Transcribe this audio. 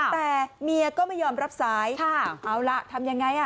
แต่เมียก็ไม่ยอมรับสายเอาล่ะทำยังไงอ่ะ